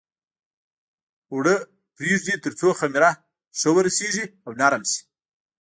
اوړه پرېږدي تر څو خمېره ښه ورسېږي او نرم شي.